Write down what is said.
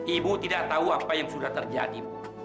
ibu tidak tahu apa yang sudah terjadi